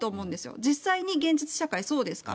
実際に現実社会、そうですから。